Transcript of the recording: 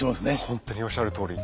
本当におっしゃるとおり。